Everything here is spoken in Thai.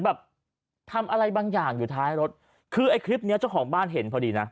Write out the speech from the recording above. แบบทำอะไรบางอย่างอยู่ท้ายรถคือไอ้คลิปเนี้ยเจ้าของบ้านเห็นพอดีนะ